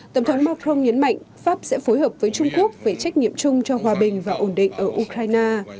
tổng thống macron nhấn mạnh pháp sẽ phối hợp với trung quốc về trách nhiệm chung cho hòa bình và ổn định ở ukraine